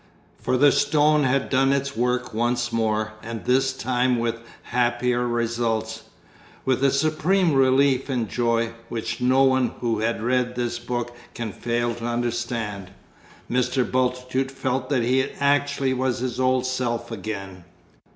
For the Stone had done its work once more, and this time with happier results; with a supreme relief and joy, which no one who has read this book can fail to understand, Mr. Bultitude felt that he actually was his old self again.